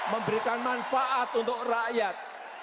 memberikan manfaat untuk rakyat